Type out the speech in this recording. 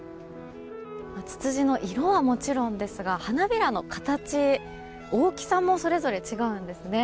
ツツジの色はもちろんですが花びらの形、大きさもそれぞれ違うんですね。